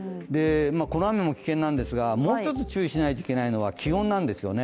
この雨も危険なんですが、もう一つ注意しないといけないのが気温です。